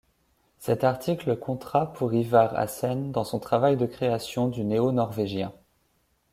Cet article comptera pour Ivar Aasen dans son travail de création du néo-norvégien.